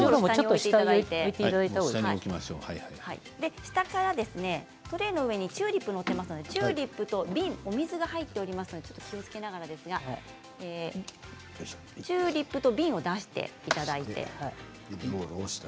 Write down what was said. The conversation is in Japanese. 下からトレーの上にチューリップが載っているので瓶、お水が入っていますので気をつけながらですけれどもチューリップと瓶を出していただいて。